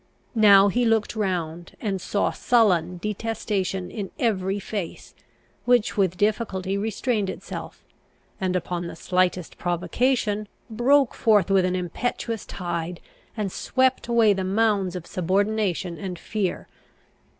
Now he looked round, and saw sullen detestation in every face, which with difficulty restrained itself, and upon the slightest provocation broke forth with an impetuous tide, and swept away the mounds of subordination and fear.